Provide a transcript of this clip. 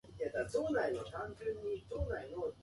この世界が愛で溢れますように